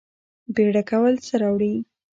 بیړه کول څه راوړي؟